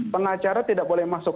pengacara tidak boleh masuk